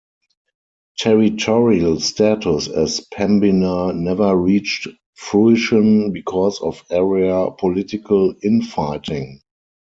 Territorial status as Pembina never reached fruition because of area political in-fighting.